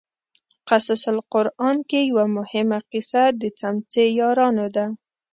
قصص القران کې یوه مهمه قصه د څمڅې یارانو ده.